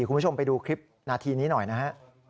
คุณผู้ชมไปดูคลิปนาทีนี้หน่อยนะฮะ